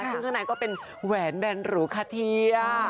ซึ่งข้างในก็เป็นแหวนแบนหรูคาเทีย